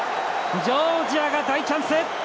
ジョージアが大チャンス！